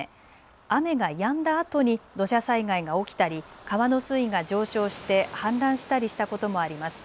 雨がやんだあとに土砂災害が起きたり川の水位が上昇して氾濫したりしたこともあります。